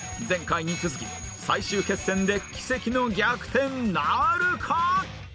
前回に続き最終決戦で奇跡の逆転なるか？